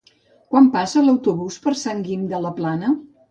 Quan passa l'autobús per Sant Guim de la Plana?